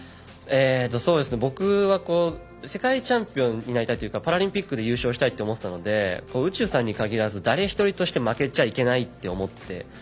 僕は世界チャンピオンになりたいというかパラリンピックで優勝したいって思っていたので宇宙さんに限らず誰一人として負けちゃいけないって思って。